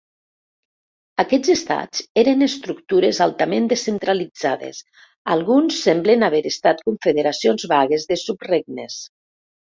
Aquests estats eren estructures altament descentralitzades; alguns semblen haver estat confederacions vagues de subregnes.